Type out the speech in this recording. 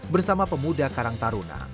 bersama pemuda karang taruna